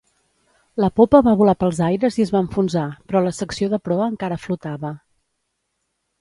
La popa va volar pels aires i es va enfonsar, però la secció de proa encara flotava.